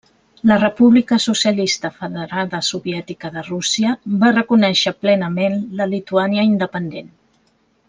La República Socialista Federada Soviètica de Rússia va reconèixer plenament la Lituània independent.